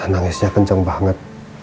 nangisnya kenceng banget